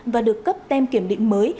và được cấp tem kiểm định mới